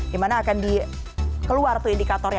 dimana akan dikeluar tuh indikatornya